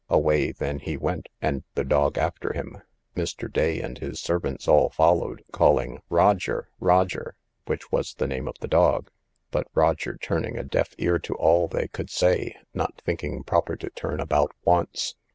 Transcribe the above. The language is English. Away then he went, and the dog after him. Mr. Day and his servants all followed, calling Roger, Roger, which was the name of the dog; but Roger turning a deaf ear to all they could say, not thinking proper to turn about once.